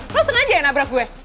lo sengaja ya nabrak gue